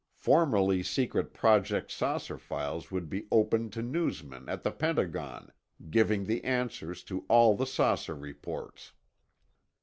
Formerly secret Project "Saucer" files would be opened to newsmen at the Pentagon, giving the answers to all the saucer reports.